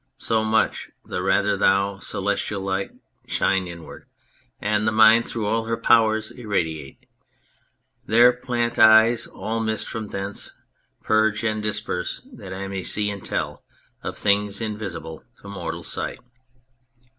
So much the rather thou, Celestial light, Shine inward, and the mind through all her powers Irradiate ; there plant eyes, all mist from thence Purge and disperse, that I may see and tell Of things invisible to mortal sight.